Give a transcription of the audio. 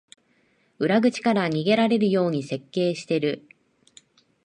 裏口から逃げられるように設計してる